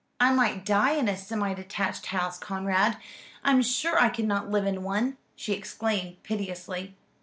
"I might die in a semi detached house, Conrad. I'm sure I could not live in one," she exclaimed piteously.